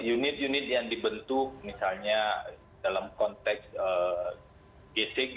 unit unit yang dibentuk misalnya dalam konteks gesing